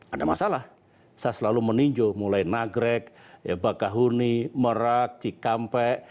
ada masalah saya selalu meninjau mulai nagrek bakahuni merak cikampek